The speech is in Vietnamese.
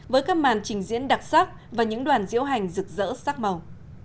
với các màn trình diễn đặc sắc và những đoàn diễu hành rực rỡ sắc màu